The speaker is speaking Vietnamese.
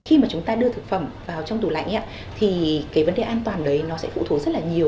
khi mà chúng ta đưa thực phẩm vào trong tủ lạnh thì cái vấn đề an toàn đấy nó sẽ phụ thuộc rất là nhiều